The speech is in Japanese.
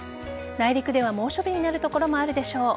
内陸では猛暑日になる所もあるでしょう。